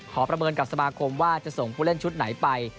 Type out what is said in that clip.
ประเมินกับสมาคมว่าจะส่งผู้เล่นชุดไหนไป